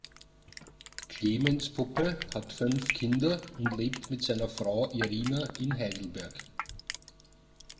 Clemens Puppe hat fünf Kinder und lebt mit seiner Frau Irina in Heidelberg.